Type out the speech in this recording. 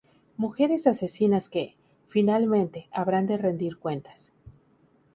Mujeres asesinas que, finalmente, habrán de rendir cuentas.